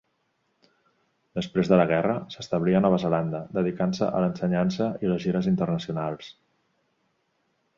Després de la guerra s'establí a Nova Zelanda, dedicant-se a l'ensenyança i les gires internacionals.